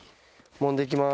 「もんできます」。